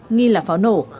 nghi là pháo nổ